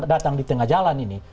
datang di tengah jalan ini